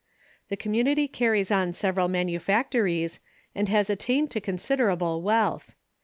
The community carries on several manufactories, and has attained to considerable wealth.